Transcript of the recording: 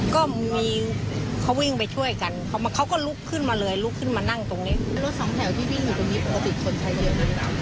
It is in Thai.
ก็มีเขาวิ่งไปช่วยกันเขาก็ลุกขึ้นมาเลยลุกขึ้นมานั่งตรงนี้